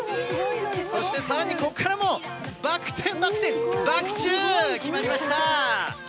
そしてさらにここからも、バク転、バク転、バク宙、決まりました。